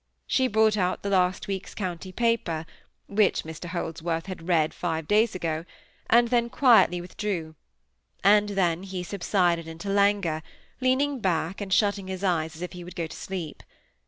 She brought out the last week's county paper (which Mr Holdsworth had read five days ago), and then quietly withdrew; and then he subsided into languor, leaning back and shutting his eyes as if he would go to sleep.